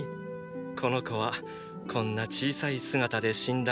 この子はこんな小さい姿で死んだのだな。